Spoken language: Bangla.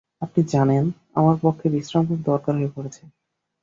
আপনি জানেন, আমার পক্ষে বিশ্রাম খুব দরকার হয়ে পড়েছে।